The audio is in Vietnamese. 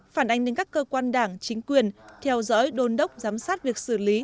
phản ánh đến các cơ quan đảng chính quyền theo dõi đôn đốc giám sát việc xử lý